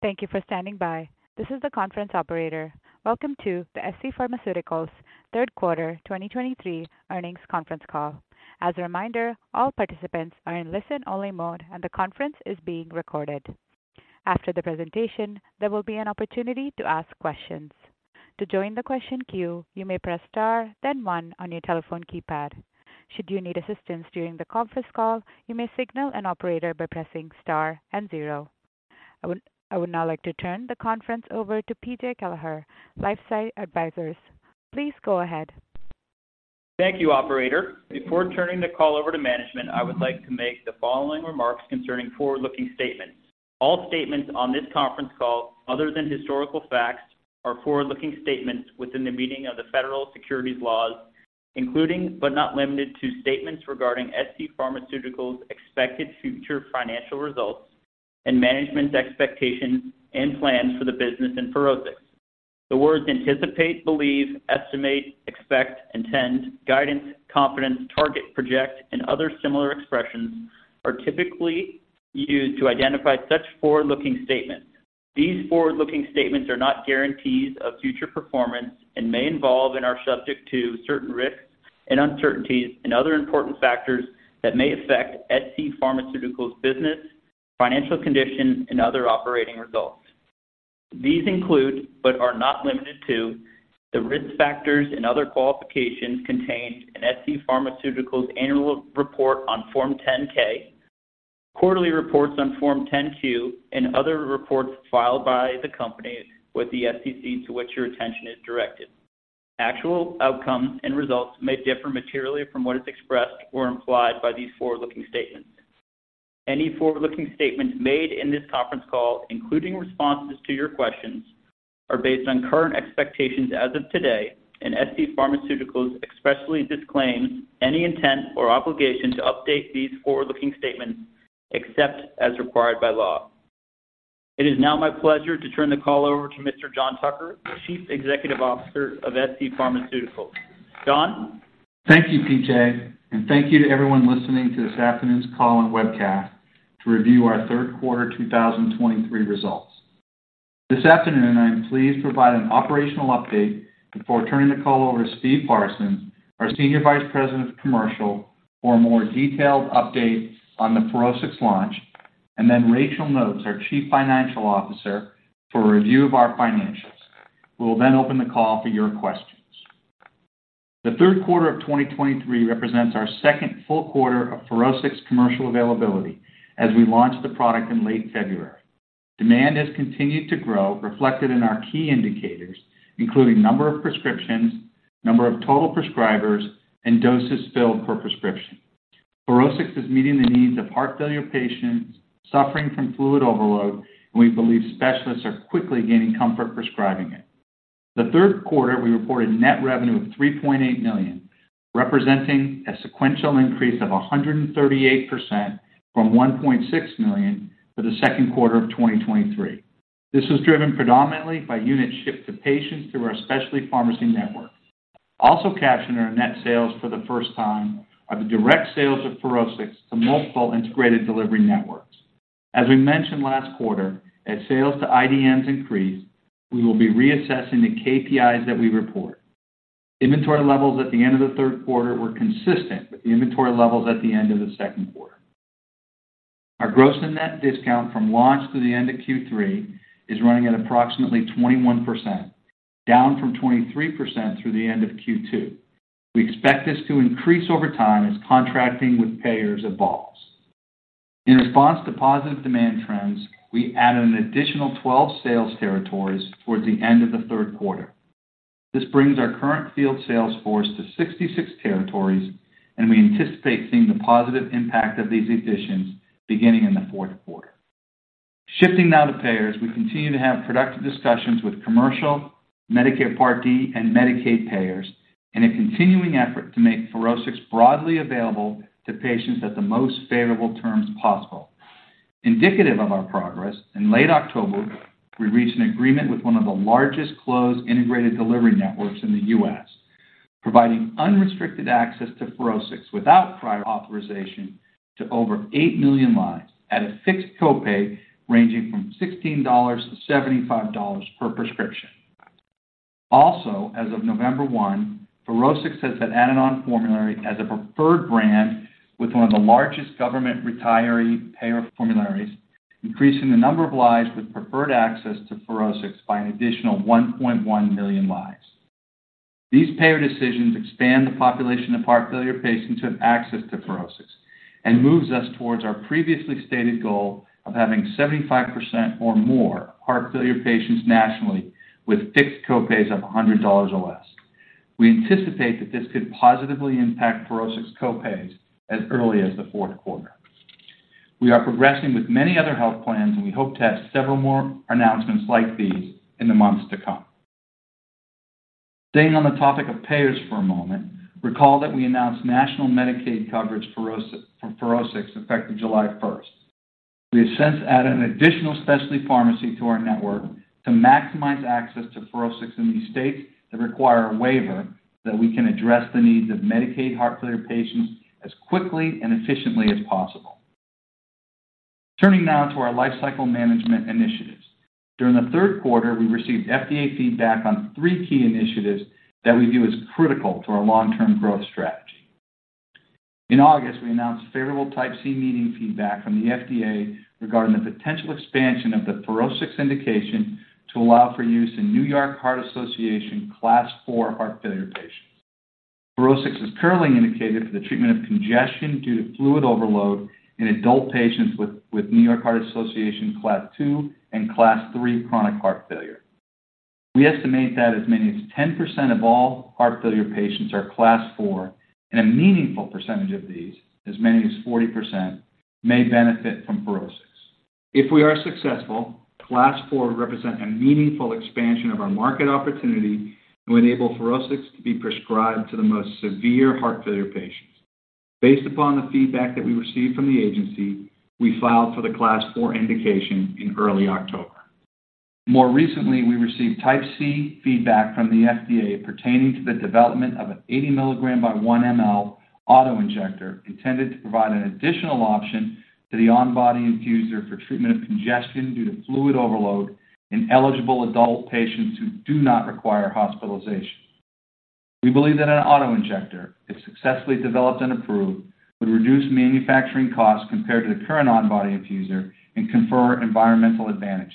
Thank you for standing by. This is the conference operator. Welcome to the scPharmaceuticals Third Quarter 2023 earnings conference call. As a reminder, all participants are in listen-only mode, and the conference is being recorded. After the presentation, there will be an opportunity to ask questions. To join the question queue, you may press star, then one on your telephone keypad. Should you need assistance during the conference call, you may signal an operator by pressing star and zero. I would now like to turn the conference over to Peter Kelleher, LifeSci Advisors. Please go ahead. Thank you, operator. Before turning the call over to management, I would like to make the following remarks concerning forward-looking statements. All statements on this conference call, other than historical facts, are forward-looking statements within the meaning of the federal securities laws, including but not limited to statements regarding scPharmaceuticals' expected future financial results and management's expectations and plans for the business and FUROSCIX. The words anticipate, believe, estimate, expect, intend, guidance, confidence, target, project, and other similar expressions are typically used to identify such forward-looking statements. These forward-looking statements are not guarantees of future performance and may involve and are subject to certain risks, and uncertainties, and other important factors that may affect scPharmaceuticals' business, financial condition, and other operating results. These include, but are not limited to, the risk factors and other qualifications contained in scPharmaceuticals' annual report on Form 10-K, quarterly reports on Form 10-Q, and other reports filed by the company with the SEC, to which your attention is directed. Actual outcomes and results may differ materially from what is expressed or implied by these forward-looking statements. Any forward-looking statements made in this conference call, including responses to your questions, are based on current expectations as of today, and scPharmaceuticals expressly disclaims any intent or obligation to update these forward-looking statements, except as required by law. It is now my pleasure to turn the call over to Mr. John Tucker, Chief Executive Officer of scPharmaceuticals. John? Thank you, PJ, and thank you to everyone listening to this afternoon's call and webcast to review our third quarter 2023 results. This afternoon, I'm pleased to provide an operational update before turning the call over to Steve Parsons, our Senior Vice President of Commercial, for a more detailed update on the FUROSCIX launch, and then Rachael Nokes, our Chief Financial Officer, for a review of our financials. We will then open the call for your questions. The third quarter of 2023 represents our second full quarter of FUROSCIX commercial availability as we launched the product in late February. Demand has continued to grow, reflected in our key indicators, including number of prescriptions, number of total prescribers, and doses filled per prescription. FUROSCIX is meeting the needs of heart failure patients suffering from fluid overload, and we believe specialists are quickly gaining comfort prescribing it. The third quarter, we reported net revenue of $3.8 million, representing a sequential increase of 138% from $1.6 million for the second quarter of 2023. This was driven predominantly by units shipped to patients through our specialty pharmacy network. Also captured in our net sales for the first time are the direct sales of FUROSCIX to multiple integrated delivery networks. As we mentioned last quarter, as sales to IDNs increase, we will be reassessing the KPIs that we report. Inventory levels at the end of the third quarter were consistent with the inventory levels at the end of the second quarter. Our gross and net discount from launch to the end of Q3 is running at approximately 21%, down from 23% through the end of Q2. We expect this to increase over time as contracting with payers evolves. In response to positive demand trends, we added an additional 12 sales territories towards the end of the third quarter. This brings our current field sales force to 66 territories, and we anticipate seeing the positive impact of these additions beginning in the fourth quarter. Shifting now to payers, we continue to have productive discussions with commercial, Medicare Part D, and Medicaid payers in a continuing effort to make FUROSCIX broadly available to patients at the most favorable terms possible. Indicative of our progress, in late October, we reached an agreement with one of the largest closed integrated delivery networks in the U.S., providing unrestricted access to FUROSCIX without prior authorization to over 8 million lives at a fixed copay ranging from $16-$75 per prescription. Also, as of November 1, FUROSCIX has been added on formulary as a preferred brand with one of the largest government retiree payer formularies, increasing the number of lives with preferred access to FUROSCIX by an additional 1.1 million lives. These payer decisions expand the population of heart failure patients who have access to FUROSCIX and moves us towards our previously stated goal of having 75% or more heart failure patients nationally with fixed copays of $100 or less. We anticipate that this could positively impact FUROSCIX copays as early as the fourth quarter. We are progressing with many other health plans, and we hope to have several more announcements like these in the months to come. Staying on the topic of payers for a moment, recall that we announced national Medicaid coverage for FUROSCIX, effective July 1st. We have since added an additional specialty pharmacy to our network to maximize access to FUROSCIX in these states that require a waiver that we can address the needs of Medicaid heart failure patients as quickly and efficiently as possible. Turning now to our lifecycle management initiatives. During the third quarter, we received FDA feedback on three key initiatives that we view as critical to our long-term growth strategy. In August, we announced favorable Type C meeting feedback from the FDA regarding the potential expansion of the FUROSCIX indication to allow for use in New York Heart Association Class IV heart failure patients. FUROSCIX is currently indicated for the treatment of congestion due to fluid overload in adult patients with New York Heart Association Class II and Class III chronic heart failure. We estimate that as many as 10% of all heart failure patients are Class IV, and a meaningful percentage of these, as many as 40%, may benefit from FUROSCIX. If we are successful, Class IV would represent a meaningful expansion of our market opportunity and would enable FUROSCIX to be prescribed to the most severe heart failure patients. Based upon the feedback that we received from the agency, we filed for the Class IV indication in early October. More recently, we received Type C feedback from the FDA pertaining to the development of an 80 mg/1 mL autoinjector, intended to provide an additional option to the On-Body Infusor for treatment of congestion due to fluid overload in eligible adult patients who do not require hospitalization. We believe that an autoinjector, if successfully developed and approved, would reduce manufacturing costs compared to the current On-Body Infusor and confer environmental advantages.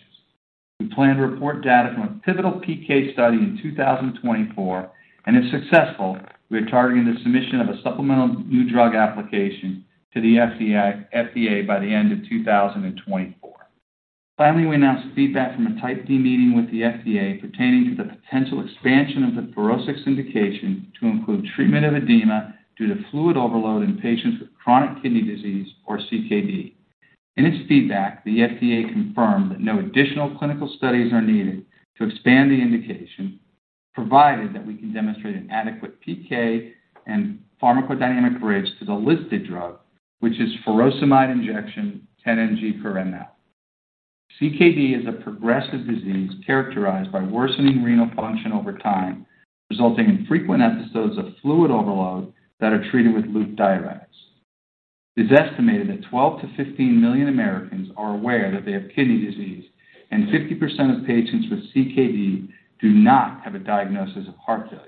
We plan to report data from a pivotal PK study in 2024, and if successful, we are targeting the submission of a supplemental new drug application to the FDA by the end of 2024. Finally, we announced feedback from a Type D meeting with the FDA pertaining to the potential expansion of the FUROSCIX indication to include treatment of edema due to fluid overload in patients with chronic kidney disease, or CKD. In its feedback, the FDA confirmed that no additional clinical studies are needed to expand the indication, provided that we can demonstrate an adequate PK and pharmacodynamic bridge to the listed drug, which is furosemide injection, 10 mg/mL CKD is a progressive disease characterized by worsening renal function over time, resulting in frequent episodes of fluid overload that are treated with loop diuretics. It is estimated that 12-15 million Americans are aware that they have kidney disease, and 50% of patients with CKD do not have a diagnosis of heart failure.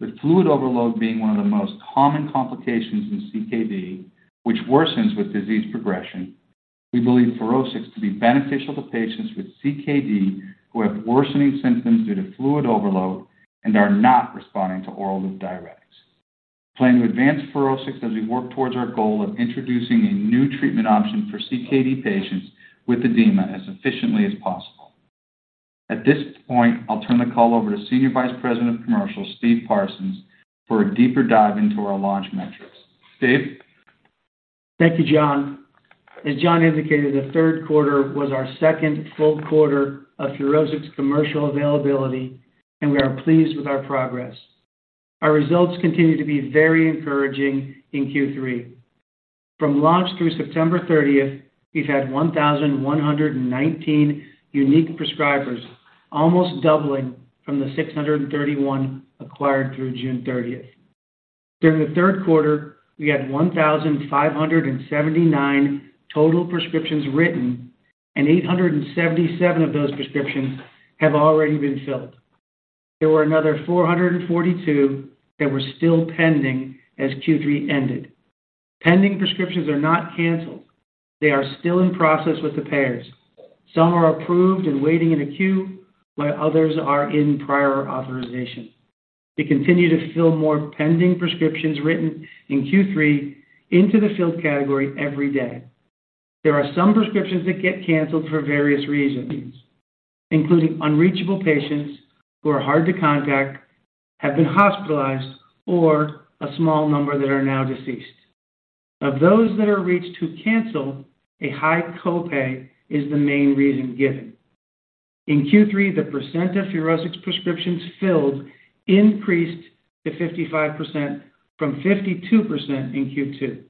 With fluid overload being one of the most common complications in CKD, which worsens with disease progression, we believe FUROSCIX to be beneficial to patients with CKD who have worsening symptoms due to fluid overload and are not responding to oral loop diuretics. We plan to advance FUROSCIX as we work towards our goal of introducing a new treatment option for CKD patients with edema as efficiently as possible. At this point, I'll turn the call over to Senior Vice President of Commercial, Steve Parsons, for a deeper dive into our launch metrics. Steve? Thank you, John. As John indicated, the third quarter was our second full quarter of FUROSCIX's commercial availability, and we are pleased with our progress. Our results continue to be very encouraging in Q3. From launch through September 30, we've had 1,119 unique prescribers, almost doubling from the 631 acquired through June 30. During the third quarter, we had 1,579 total prescriptions written, and 877 of those prescriptions have already been filled. There were another 442 that were still pending as Q3 ended. Pending prescriptions are not canceled. They are still in process with the payers. Some are approved and waiting in a queue, while others are in prior authorization. We continue to fill more pending prescriptions written in Q3 into the filled category every day. There are some prescriptions that get canceled for various reasons, including unreachable patients who are hard to contact, have been hospitalized, or a small number that are now deceased. Of those that are reached who cancel, a high copay is the main reason given. In Q3, the percent of FUROSCIX prescriptions filled increased to 55% from 52% in Q2.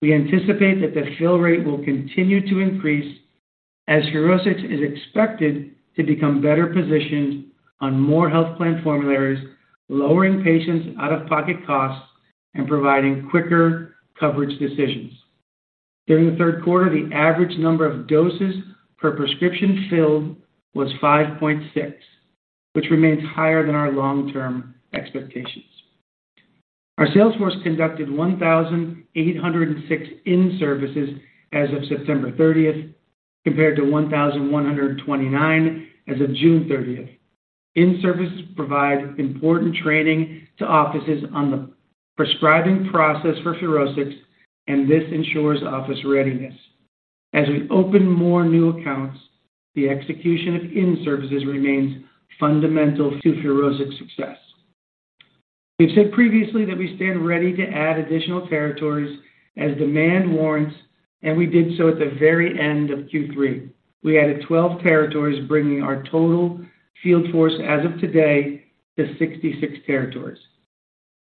We anticipate that the fill rate will continue to increase as FUROSCIX is expected to become better positioned on more health plan formularies, lowering patients' out-of-pocket costs and providing quicker coverage decisions. During the third quarter, the average number of doses per prescription filled was 5.6, which remains higher than our long-term expectations. Our sales force conducted 1,806 in-services as of September 30th, compared to 1,129 as of June 30th. In-services provide important training to offices on the prescribing process for FUROSCIX, and this ensures office readiness. As we open more new accounts, the execution of in-services remains fundamental to FUROSCIX's success. We've said previously that we stand ready to add additional territories as demand warrants, and we did so at the very end of Q3. We added 12 territories, bringing our total field force as of today to 66 territories....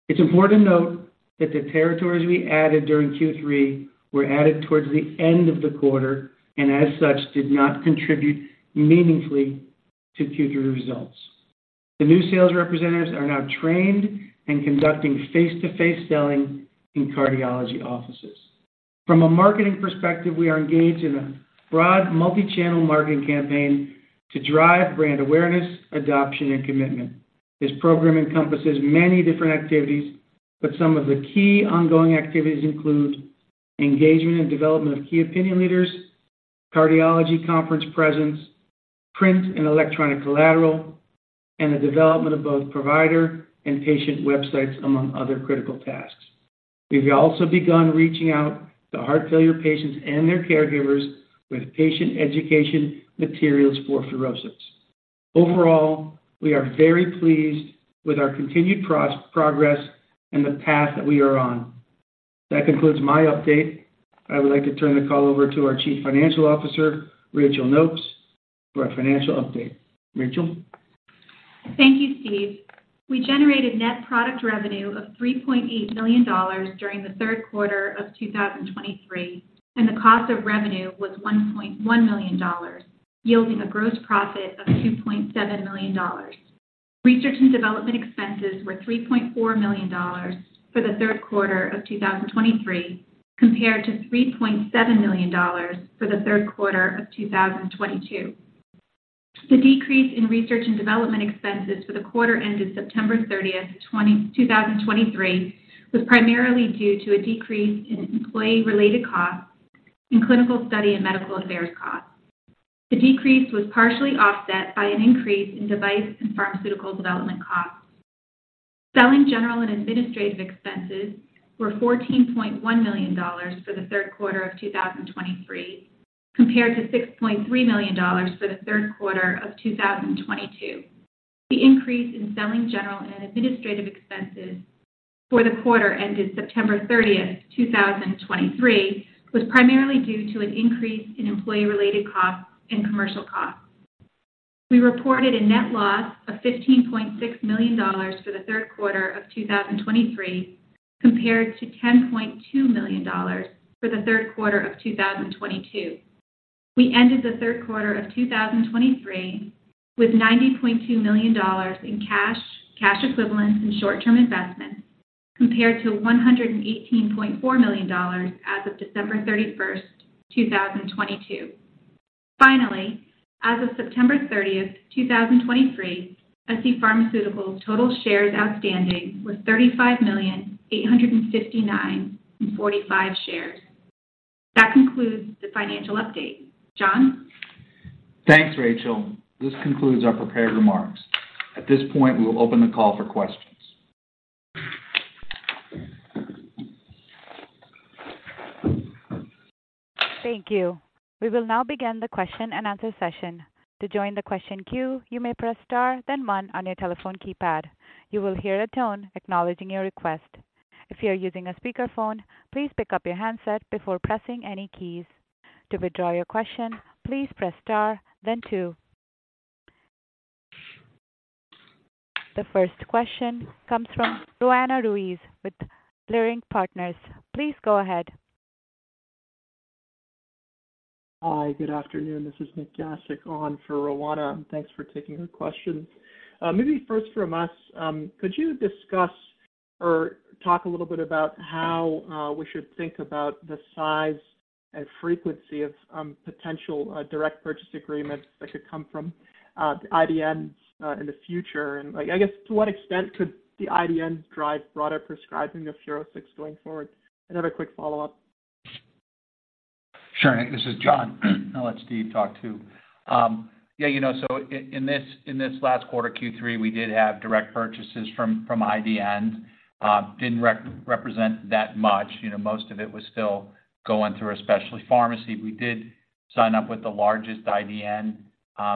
It's important to note that the territories we added during Q3 were added towards the end of the quarter, and as such, did not contribute meaningfully to Q3 results. The new sales representatives are now trained and conducting face-to-face selling in cardiology offices. From a marketing perspective, we are engaged in a broad multi-channel marketing campaign to drive brand awareness, adoption, and commitment. This program encompasses many different activities, but some of the key ongoing activities include engagement and development of key opinion leaders, cardiology conference presence, print and electronic collateral, and the development of both provider and patient websites, among other critical tasks. We've also begun reaching out to heart failure patients and their caregivers with patient education materials for FUROSCIX. Overall, we are very pleased with our continued progress and the path that we are on. That concludes my update. I would like to turn the call over to our Chief Financial Officer, Rachael Nokes, for a financial update. Rachael? Thank you, Steve. We generated net product revenue of $3.8 million during the third quarter of 2023, and the cost of revenue was $1.1 million, yielding a gross profit of $2.7 million. Research and development expenses were $3.4 million for the third quarter of 2023, compared to $3.7 million for the third quarter of 2022. The decrease in research and development expenses for the quarter ended September 30, 2023, was primarily due to a decrease in employee-related costs and clinical study and medical affairs costs. The decrease was partially offset by an increase in device and pharmaceutical development costs. Selling, general and administrative expenses were $14.1 million for the third quarter of 2023, compared to $6.3 million for the third quarter of 2022. The increase in selling, general and administrative expenses for the quarter ended September 30, 2023, was primarily due to an increase in employee-related costs and commercial costs. We reported a net loss of $15.6 million for the third quarter of 2023, compared to $10.2 million for the third quarter of 2022. We ended the third quarter of 2023 with $90.2 million in cash, cash equivalents and short-term investments, compared to $118.4 million as of December 31, 2022. Finally, as of September thirtieth, two thousand and twenty-three, scPharmaceuticals' total shares outstanding was 35,859,045 shares. That concludes the financial update. John? Thanks, Rachael. This concludes our prepared remarks. At this point, we will open the call for questions. Thank you. We will now begin the question and answer session. To join the question queue, you may press Star, then one on your telephone keypad. You will hear a tone acknowledging your request. If you are using a speakerphone, please pick up your handset before pressing any keys. To withdraw your question, please press Star, then two. The first question comes from Roanna Ruiz with Leerink Partners. Please go ahead. Hi, good afternoon. This is Nik Gasic on for Roanna, and thanks for taking her question. Maybe first from us, could you discuss or talk a little bit about how, we should think about the size and frequency of, potential, direct purchase agreements that could come from, the IDNs, in the future? And I, I guess, to what extent could the IDN drive broader prescribing of FUROSCIX going forward? Another quick follow-up. Sure. This is John. I'll let Steve talk too. Yeah, you know, so in this last quarter, Q3, we did have direct purchases from IDN. Didn't represent that much. You know, most of it was still going through a specialty pharmacy. We did sign up with the largest IDN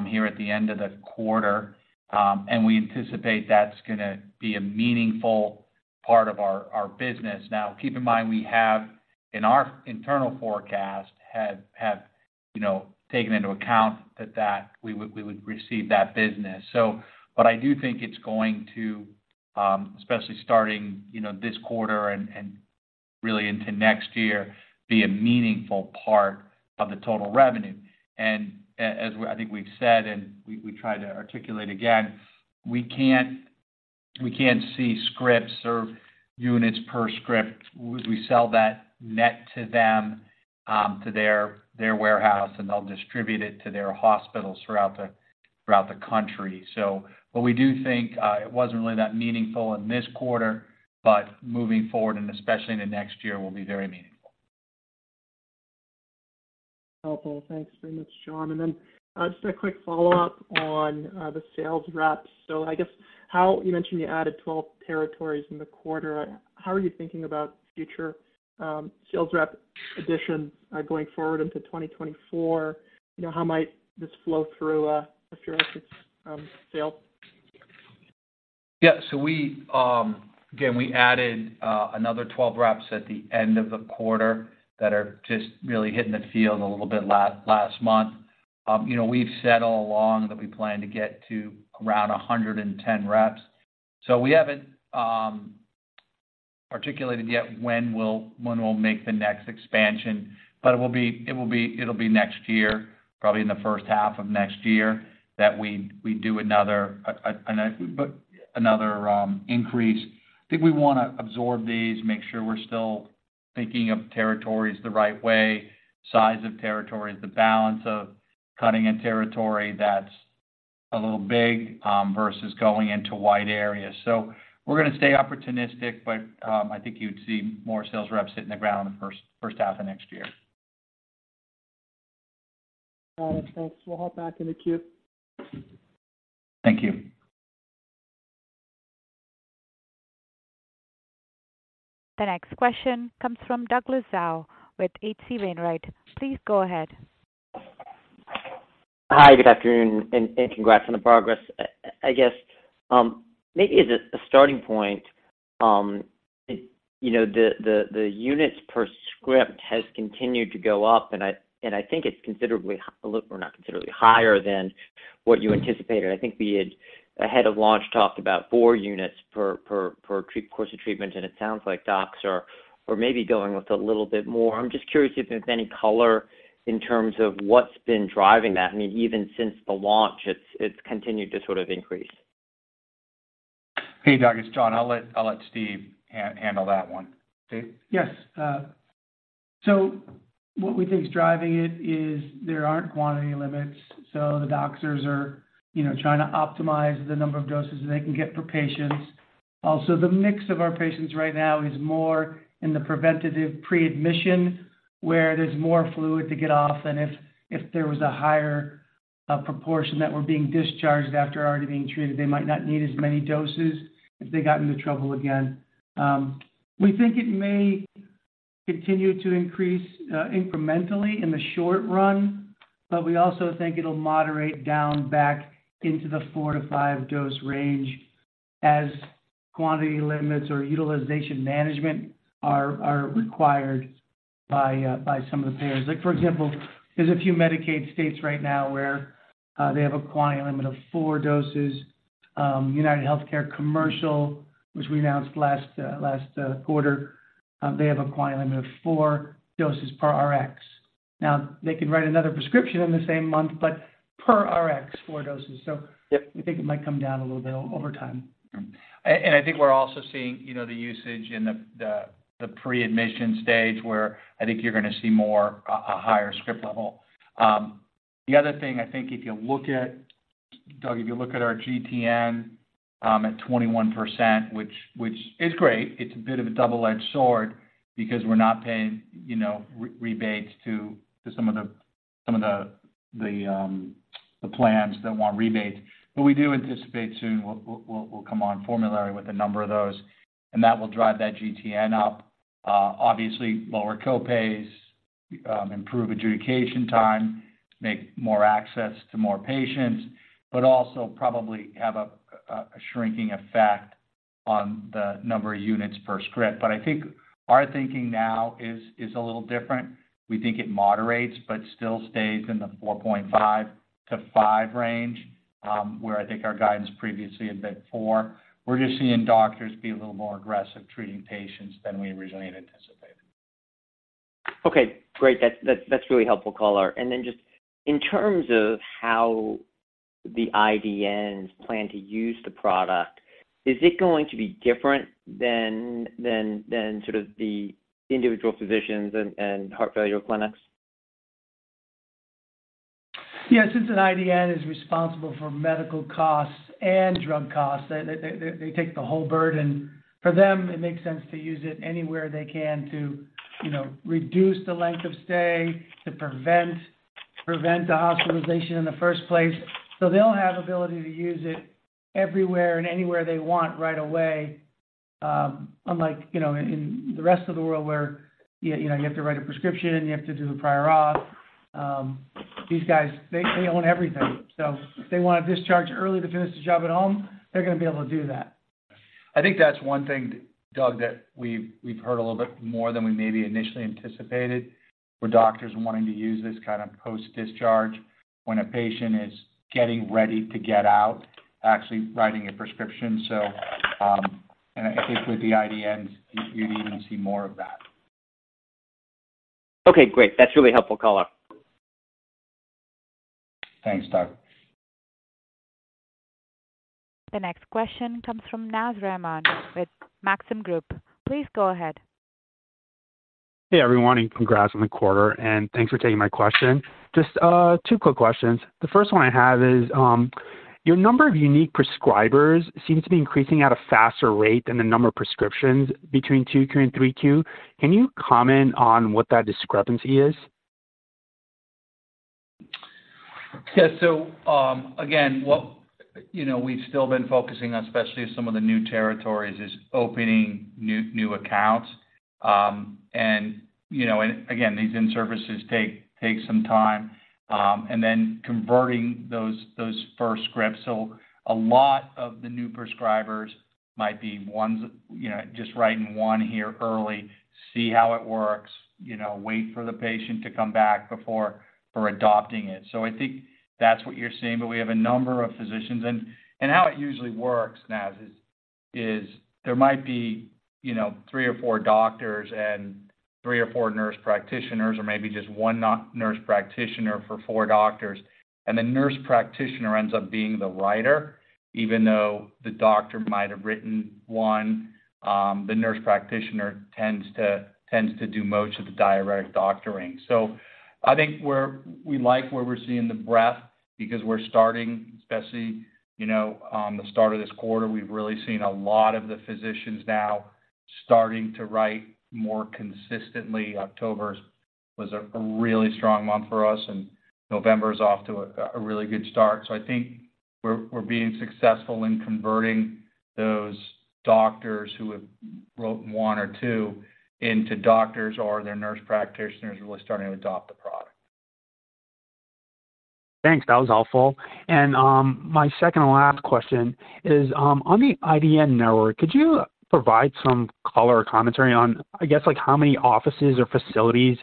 here at the end of the quarter, and we anticipate that's gonna be a meaningful part of our business. Now, keep in mind, we have, in our internal forecast, you know, taken into account that we would receive that business. So but I do think it's going to, especially starting you know, this quarter and really into next year, be a meaningful part of the total revenue. As we've said, and we try to articulate again, we can't see scripts or units per script. We sell that net to them to their warehouse, and they'll distribute it to their hospitals throughout the country. But we do think it wasn't really that meaningful in this quarter, but moving forward, and especially in the next year, will be very meaningful. Helpful. Thanks very much, John. And then, just a quick follow-up on the sales reps. So I guess, how... You mentioned you added 12 territories in the quarter. How are you thinking about future sales rep additions going forward into 2024? You know, how might this flow through the FUROSCIX sales? Yeah. So we, again, we added another 12 reps at the end of the quarter that are just really hitting the field a little bit last month. You know, we've said all along that we plan to get to around 110 reps. So we haven't articulated yet when we'll, when we'll make the next expansion, but it will be, it will be, it'll be next year, probably in the first half of next year, that we do another increase. I think we wanna absorb these, make sure we're still thinking of territories the right way, size of territories, the balance of cutting a territory that's a little big versus going into wide areas. So we're gonna stay opportunistic, but, I think you'd see more sales reps hitting the ground in the first half of next year. Got it. Thanks. We'll hop back in the queue. Thank you. The next question comes from Douglas Tsao with H.C. Wainwright. Please go ahead. Hi, good afternoon, and congrats on the progress. I guess, maybe as a starting point, you know, the units per script has continued to go up, and I think it's considerably hi-- or not considerably, higher than what you anticipated. I think we had, ahead of launch, talked about four units per course of treatment, and it sounds like docs are maybe going with a little bit more. I'm just curious if there's any color in terms of what's been driving that? I mean, even since the launch, it's continued to sort of increase. Hey, Doug, it's John. I'll let Steve handle that one. Steve? Yes, so what we think is driving it is there aren't quantity limits, so the doctors are, you know, trying to optimize the number of doses they can get for patients. Also, the mix of our patients right now is more in the preventative pre-admission, where there's more fluid to get off than if there was a higher proportion that were being discharged after already being treated. They might not need as many doses if they got into trouble again. We think it may continue to increase incrementally in the short run, but we also think it'll moderate down back into the 4-5 dose range as quantity limits or utilization management are required by some of the payers. Like, for example, there's a few Medicaid states right now where they have a quantity limit of 4 doses. UnitedHealthcare Commercial, which we announced last quarter, they have a quantity limit of four doses per RX. Now, they can write another prescription in the same month, but per RX, four doses. Yep. We think it might come down a little bit over time. I think we're also seeing, you know, the usage in the pre-admission stage, where I think you're gonna see more, a higher script level. The other thing, I think if you look at, Doug, our GTN at 21%, which is great, it's a bit of a double-edged sword because we're not paying, you know, rebates to some of the plans that want rebates. But we do anticipate soon we'll come on formulary with a number of those, and that will drive that GTN up. Obviously, lower co-pays improve adjudication time, make more access to more patients, but also probably have a shrinking effect on the number of units per script. But I think our thinking now is a little different. We think it moderates but still stays in the 4.5-5 range, where I think our guidance previously had been 4. We're just seeing doctors be a little more aggressive treating patients than we originally anticipated. Okay, great. That's a really helpful call. And then just in terms of how the IDNs plan to use the product, is it going to be different than sort of the individual physicians and heart failure clinics? Yeah. Since an IDN is responsible for medical costs and drug costs, they take the whole burden. For them, it makes sense to use it anywhere they can to, you know, reduce the length of stay, to prevent a hospitalization in the first place. So they'll have ability to use it everywhere and anywhere they want right away, unlike, you know, in the rest of the world where, you know, you have to write a prescription, you have to do a prior auth. These guys, they own everything, so if they want to discharge early to finish the job at home, they're gonna be able to do that. I think that's one thing, Doug, that we've heard a little bit more than we maybe initially anticipated, where doctors wanting to use this kind of post-discharge when a patient is getting ready to get out, actually writing a prescription. So, and I think with the IDNs, you, you'd even see more of that. Okay, great. That's a really helpful call. Thanks, Doug. The next question comes from Naz Rahman with Maxim Group. Please go ahead. Hey, everyone, and congrats on the quarter, and thanks for taking my question. Just two quick questions. The first one I have is, your number of unique prescribers seems to be increasing at a faster rate than the number of prescriptions between two and three Q. Can you comment on what that discrepancy is? Yeah. So, again, what... You know, we've still been focusing on, especially some of the new territories, is opening new accounts. And you know, and again, these in-services take some time, and then converting those first scripts. So a lot of the new prescribers might be ones, you know, just writing one here early, see how it works, you know, wait for the patient to come back before for adopting it. So I think that's what you're seeing, but we have a number of physicians. And how it usually works, Naz, is there might be, you know, three or four doctors and three or four nurse practitioners or maybe just one not nurse practitioner for four doctors, and the nurse practitioner ends up being the writer, even though the doctor might have written one, the nurse practitioner tends to do most of the diuretic doctoring. So I think we like where we're seeing the breadth because we're starting, especially, you know, on the start of this quarter, we've really seen a lot of the physicians now starting to write more consistently. October was a really strong month for us, and November is off to a really good start. I think we're being successful in converting those doctors who have wrote one or two into doctors or their nurse practitioners who are starting to adopt the product. Thanks. That was helpful. My second and last question is, on the IDN network, could you provide some color or commentary on, I guess, like how many offices or facilities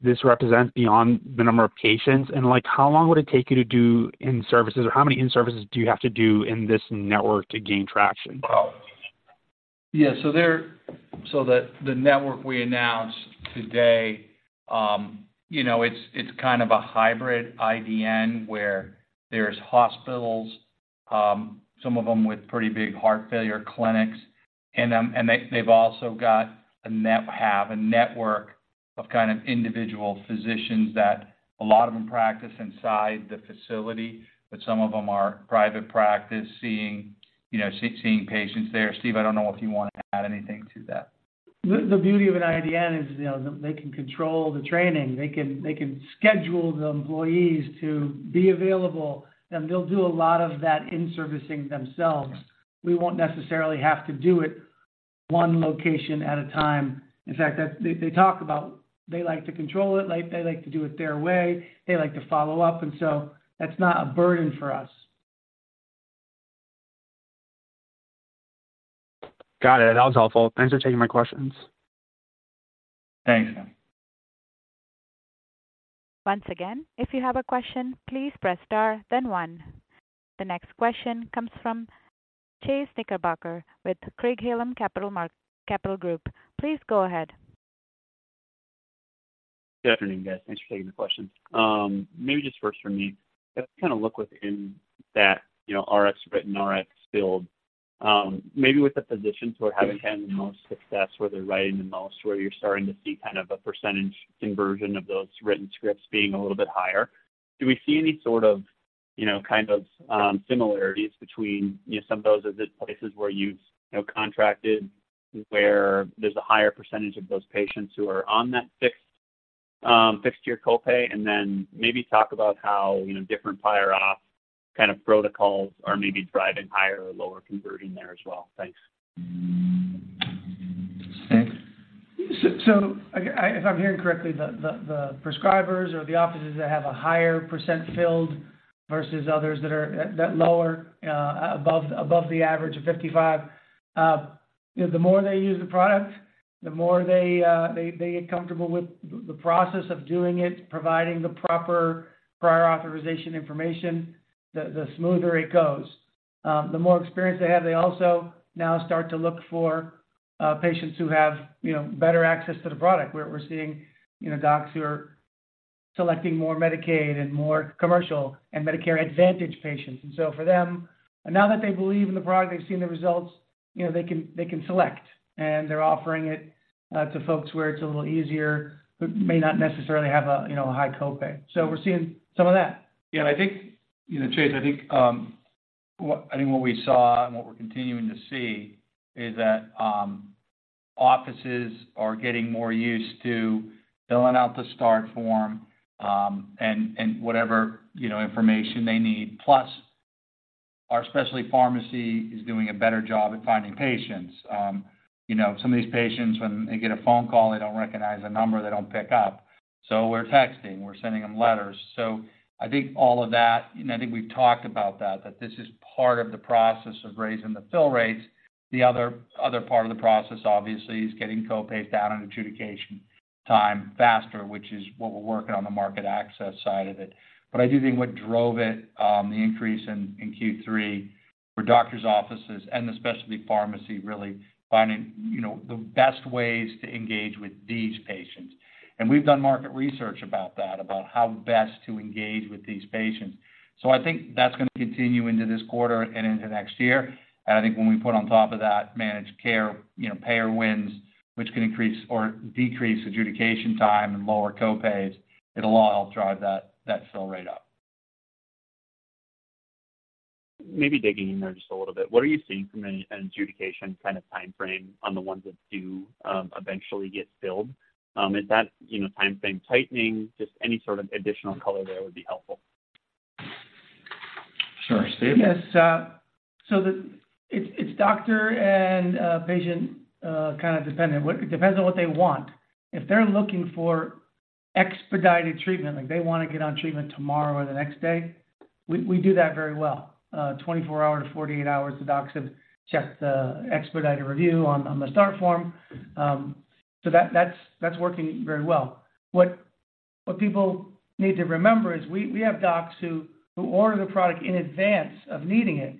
this represents beyond the number of patients? And like, how long would it take you to do in-services, or how many in-services do you have to do in this network to gain traction? Yeah, so the network we announced today, you know, it's kind of a hybrid IDN where there's hospitals, some of them with pretty big heart failure clinics, and they’ve also got a network of kind of individual physicians that a lot of them practice inside the facility, but some of them are private practice, seeing, you know, seeing patients there. Steve, I don’t know if you want to add anything to that. The beauty of an IDN is, you know, they can control the training, they can schedule the employees to be available, and they'll do a lot of that in-servicing themselves. We won't necessarily have to do it one location at a time. In fact, that's... They talk about, they like to control it, like, they like to do it their way, they like to follow up, and so that's not a burden for us. Got it. That was helpful. Thanks for taking my questions. Thanks. Once again, if you have a question, please press Star, then One. The next question comes from Chase Knickerbocker with Craig-Hallum Capital Group. Please go ahead. Good afternoon, guys. Thanks for taking the question. Maybe just first for me, just kind of look within that, you know, RX written, RX filled, maybe with the physicians who are having had the most success, where they're writing the most, where you're starting to see kind of a percentage conversion of those written scripts being a little bit higher. Do we see any sort of, you know, kind of, similarities between, you know, some of those places where you've, you know, contracted, where there's a higher percentage of those patients who are on that fixed-tier copay? And then maybe talk about how, you know, different prior auth kind of protocols are maybe driving higher or lower conversion there as well. Thanks. Thanks. So, if I'm hearing correctly, the prescribers or the offices that have a higher percent filled versus others that are lower, above the average of 55, you know, the more they use the product, the more they get comfortable with the process of doing it, providing the proper prior authorization information, the smoother it goes. The more experience they have, they also now start to look for patients who have, you know, better access to the product. We're seeing, you know, docs who are selecting more Medicaid and more commercial and Medicare Advantage patients. And so for them, now that they believe in the product, they've seen the results, you know, they can, they can select, and they're offering it to folks where it's a little easier, but may not necessarily have a, you know, a high copay. So we're seeing some of that. Yeah, I think, you know, Chase, I think what we saw and what we're continuing to see is that, offices are getting more used to filling out the start form, and whatever, you know, information they need. Plus, our specialty pharmacy is doing a better job at finding patients. You know, some of these patients, when they get a phone call, they don't recognize the number, they don't pick up. So we're texting, we're sending them letters. So I think all of that, and I think we've talked about that, that this is part of the process of raising the fill rates. The other part of the process, obviously, is getting copays down and adjudication time faster, which is what we're working on the market access side of it. But I do think what drove it, the increase in Q3, were doctors' offices and the specialty pharmacy really finding, you know, the best ways to engage with these patients. And we've done market research about that, about how best to engage with these patients. So I think that's going to continue into this quarter and into next year. And I think when we put on top of that managed care, you know, payer wins, which can increase or decrease adjudication time and lower copays, it'll all help drive that fill rate up. Maybe digging in there just a little bit. What are you seeing from an adjudication kind of timeframe on the ones that do, eventually get filled? Is that, you know, timeframe tightening, just any sort of additional color there would be helpful? Sure. Steve? Yes, so it's doctor and patient kind of dependent. It depends on what they want. If they're looking for expedited treatment, like they want to get on treatment tomorrow or the next day, we do that very well. 24-48 hours, the docs have checked the expedited review on the start form. So that's working very well. What people need to remember is we have docs who order the product in advance of needing it.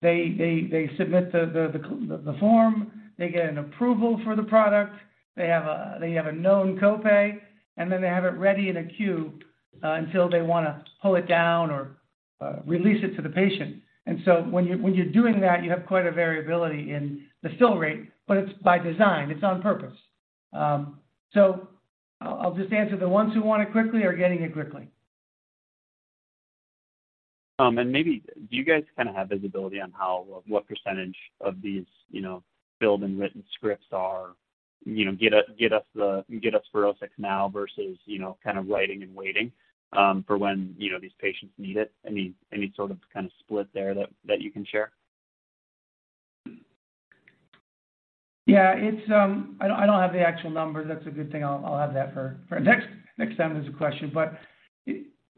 They submit the form, they get an approval for the product, they have a known copay, and then they have it ready in a queue until they wanna pull it down or release it to the patient. So when you're doing that, you have quite a variability in the fill rate, but it's by design, it's on purpose. So I'll just answer, the ones who want it quickly are getting it quickly. And maybe do you guys kinda have visibility on how, what percentage of these, you know, filled and written scripts are, you know, get us the FUROSCIX now versus, you know, kind of writing and waiting, for when, you know, these patients need it? Any sort of kind of split there that you can share? Yeah, it's. I don't have the actual numbers. That's a good thing. I'll have that for next time there's a question. But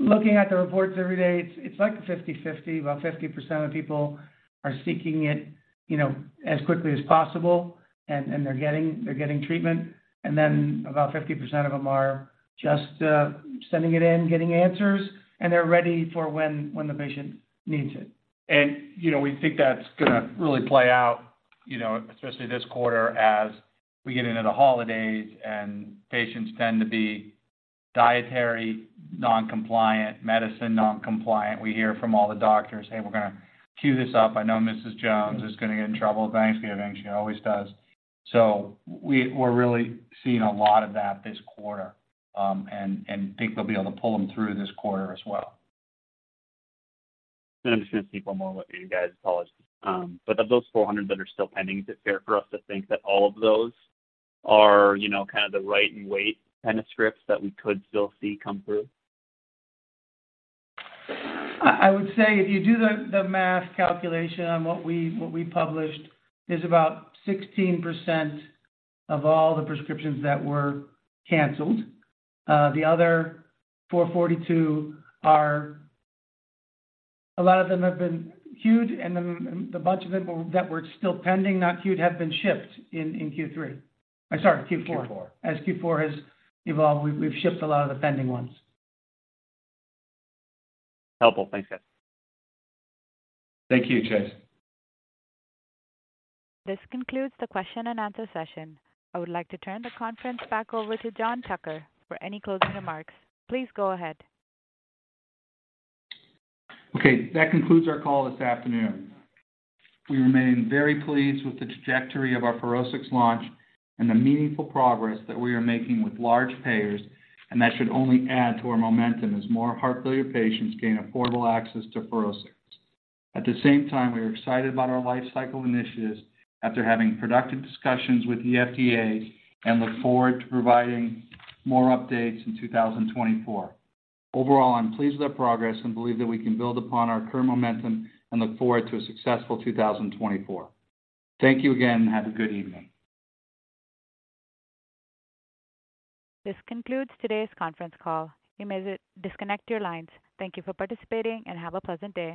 looking at the reports every day, it's like a 50/50. About 50% of people are seeking it, you know, as quickly as possible, and they're getting treatment. And then about 50% of them are just sending it in, getting answers, and they're ready for when the patient needs it. You know, we think that's gonna really play out, you know, especially this quarter as we get into the holidays and patients tend to be dietary noncompliant, medicine noncompliant. We hear from all the doctors: "Hey, we're gonna queue this up. I know Mrs. Jones is gonna get in trouble at Thanksgiving. She always does." So we're really seeing a lot of that this quarter, and think they'll be able to pull them through this quarter as well. I'm just gonna seek one more with you guys. But of those 400 that are still pending, is it fair for us to think that all of those are, you know, kind of the write and wait kind of scripts that we could still see come through? I would say if you do the math calculation on what we published, there's about 16% of all the prescriptions that were canceled. The other 442 are, a lot of them have been queued, and then the bunch of them that were still pending, not queued, have been shipped in Q3. I'm sorry, Q4. Q4. As Q4 has evolved, we've shipped a lot of the pending ones. Helpful. Thanks, guys. Thank you, Chase. This concludes the question and answer session. I would like to turn the conference back over to John Tucker for any closing remarks. Please go ahead. Okay. That concludes our call this afternoon. We remain very pleased with the trajectory of our FUROSCIX launch and the meaningful progress that we are making with large payers, and that should only add to our momentum as more heart failure patients gain affordable access to FUROSCIX. At the same time, we are excited about our life cycle initiatives after having productive discussions with the FDA, and look forward to providing more updates in 2024. Overall, I'm pleased with our progress and believe that we can build upon our current momentum and look forward to a successful 2024. Thank you again, and have a good evening. This concludes today's conference call. You may disconnect your lines. Thank you for participating, and have a pleasant day.